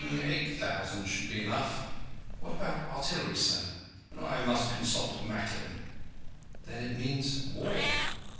Eight thousand should be enough." "What about artillery, sir?" "I must consult Macklin." "Then it means war?"